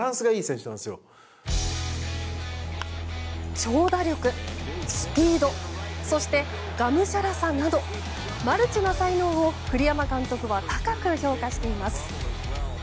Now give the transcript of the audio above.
長打力、スピードそしてがむしゃらさなどマルチな才能を栗山監督は高く評価しています。